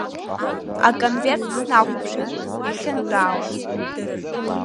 Аконверт снахәаԥшит иахьынтәаауаз.